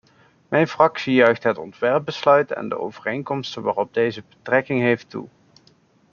Mijn fractie juicht het ontwerpbesluit en de overeenkomsten waarop deze betrekking heeft, toe.